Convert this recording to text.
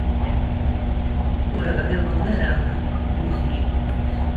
Ur ɣliḍen ara nutni.